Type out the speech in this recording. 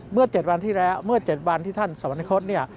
เมื่อเจ็ดวันที่แรกเมื่อเจ็ดวันที่ท่านสวรรคฤต